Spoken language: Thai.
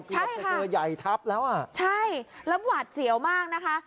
ใช่ค่ะเกือบจะเกินใหญ่ทับแล้วอ่ะใช่ระบวัดเสียวมากนะคะ